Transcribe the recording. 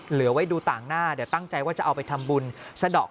เหลือไว้ดูต่างหน้าเดี๋ยวตั้งใจว่าจะเอาไปทำบุญสะดอก